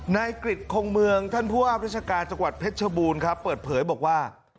นายกริจคงเมืองท่านผู้ว่าราชการจังหวัดเพชรชบูรณ์ครับเปิดเผยบอกว่า